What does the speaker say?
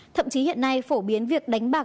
thậm chí hiện nay phổ biến việc đánh bạc